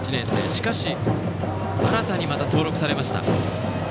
しかしまた新たに登録されました。